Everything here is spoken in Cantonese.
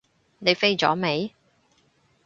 你飛咗未？